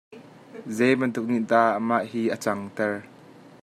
Zei bantuk nih dah mah hi a cang ter?